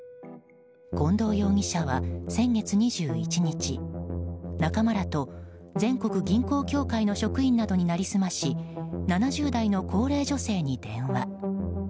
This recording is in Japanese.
近藤容疑者は、先月２１日仲間らと全国銀行協会などの職員などに成り済まし７０代の高齢女性に電話。